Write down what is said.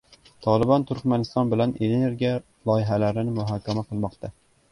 Tolibon Turkmaniston bilan energiya loyihalarini muhokama qilmoqda